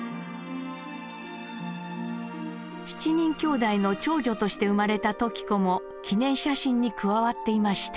７人きょうだいの長女として生まれた時子も記念写真に加わっていました。